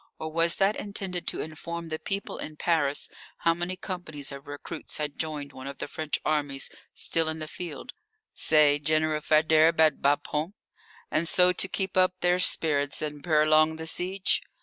Or was that intended to inform the people in Paris how many companies of recruits had joined one of the French armies still in the field say, General Faidherbe's, at Bapaume, and so to keep up their spirits and prolong the siege?